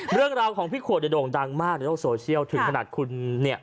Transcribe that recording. เรื่องราวของพี่ขวดเนี่ยโด่งดังมากในโลกโซเชียลถึงขนาดคุณเนี่ย